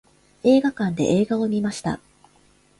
映画館で映画を観ました。